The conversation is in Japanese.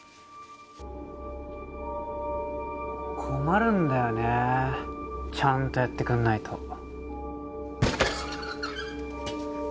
困るんだよねえちゃんとやってくれないと。